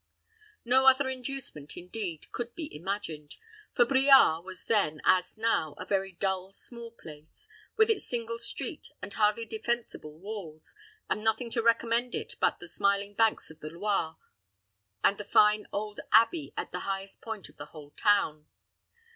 No other inducement, indeed, could be imagined; for Briare was then, as now, a very dull small place, with its single street, and hardly defensible walls, and nothing to recommend it but the smiling banks of the Loire, and the fine old abbey at the highest point of the whole town.